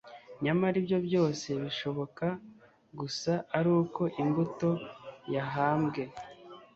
Nyamara ibyo byose bishoboka gusa ari uko imbuto yahambwe,